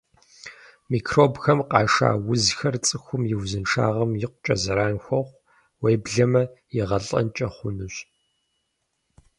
Микробхэм къашэ узхэр цӀыхум и узыншагъэм икъукӀэ зэран хуохъу, уеблэмэ игъэлӀэнкӀи хъунущ.